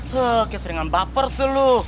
kayak sering ambaper sih lu